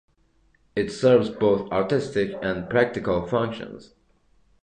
It serves both artistic and practical functions.